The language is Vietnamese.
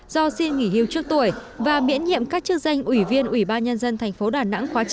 do xin nghỉ hiếu trước tuổi và miễn nhiệm các chức danh ủy viên ủy ban nhân dân thành phố đà nẵng khóa chín